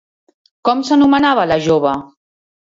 Com s'anomenava la jove?